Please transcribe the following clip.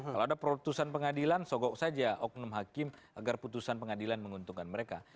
kalau ada protesan pengadilan sogok saja oknum hakim agar putusan pengadilan menguntungkan mereka